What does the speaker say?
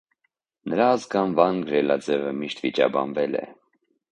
Նրա ազգանվան գրելաձևը միշտ վիճաբանվել է։